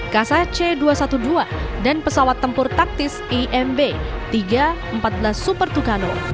kasa c dua ratus dua belas dan pesawat tempur taktis amb tiga ratus empat belas super tucano